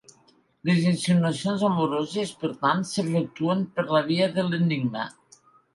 Les insinuacions amoroses, per tant, s'efectuen per la via de l'enigma.